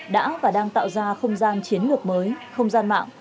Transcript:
đã và đang tạo ra không gian chiến lược mới không gian mạng